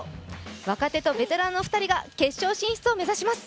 若手とベテランの２人が決勝進出を目指します。